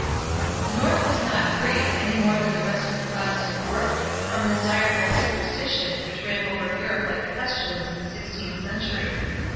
The North was not free, any more than the rest of the Protestant world, from this direful superstition, which ran over Europe like a pestilence in the sixteenth century.